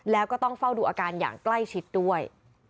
แล้วก็ต้องเฝ้าดูอาการอย่างใกล้ชิดด้วย